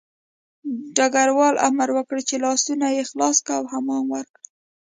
ډګروال امر وکړ چې لاسونه یې خلاص کړه او حمام ورکړه